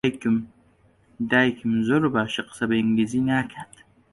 دایکم زۆر بەباشی قسە بە ئینگلیزی ناکات.